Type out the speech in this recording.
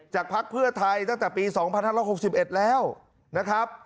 พักเพื่อไทยตั้งแต่ปี๒๕๖๑แล้วนะครับ